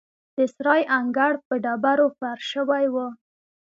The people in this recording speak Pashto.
د سرای انګړ په ډبرو فرش شوی و.